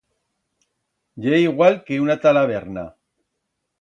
Ye igual que una talaberna.